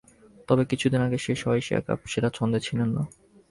তবে কিছুদিন আগে শেষ হওয়া এশিয়া কাপ সেরা ছন্দে ছিলেন না।